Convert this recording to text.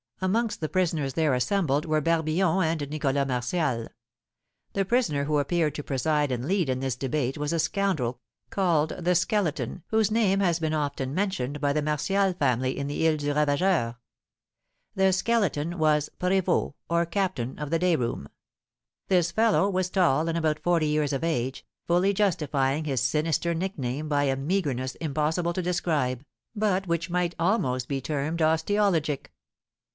Amongst the prisoners there assembled were Barbillon and Nicholas Martial. The prisoner who appeared to preside and lead in this debate was a scoundrel called the Skeleton, whose name has been often mentioned by the Martial family in the Isle du Ravageur. The Skeleton was prévôt, or captain, of the day room. This fellow was tall and about forty years of age, fully justifying his sinister nickname by a meagreness impossible to describe, but which might almost be termed osteologic.